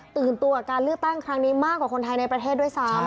ตัวการเลือกตั้งครั้งนี้มากกว่าคนไทยในประเทศด้วยซ้ำ